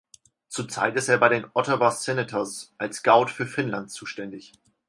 Zurzeit ist er bei den Ottawa Senators als Scout für Finnland zuständig.